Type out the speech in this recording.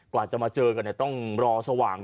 กว่าจะมาเจอกันต้องรอสว่าง